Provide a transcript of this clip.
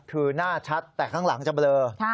คือหน้าชัดแต่ข้างหลังจะเบลอ